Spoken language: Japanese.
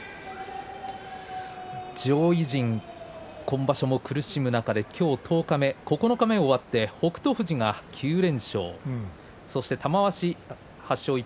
上位陣今場所も苦しむ中で今日十日目、九日目が終わって北勝富士が９連勝です。